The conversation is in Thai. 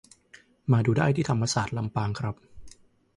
มาดูได้ที่ธรรมศาสตร์ลำปางครับ